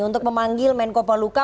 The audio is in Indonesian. untuk memanggil menko paluka